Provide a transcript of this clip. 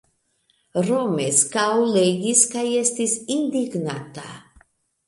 Romeskaŭ legis kaj estis indignata.